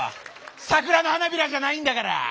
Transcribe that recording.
桜の花びらじゃないんだから。